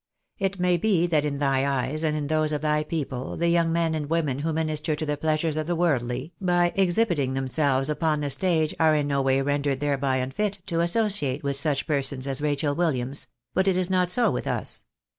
It may be that in thine eyes, and in those of thy people, the young men and women who minister to the pleasures of the worldly, by exhibiting themselves upon the stage, are in no way rendered unfit to associate with such persons as Rachel Williams ; but it is not so with us.